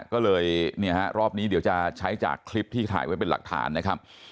ก็เลยเนี่ยฮะรอบนี้เดี๋ยวจะใช้จากคลิปที่ถ่ายไว้เป็นหลักฐานนะครับ